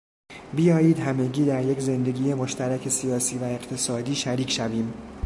بیایید همگی در یک زندگی مشترک سیاسی و اقتصادی شریک شویم.